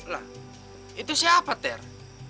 lah itu siapa ter